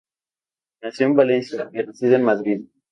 Nació en Valencia y reside en Madrid.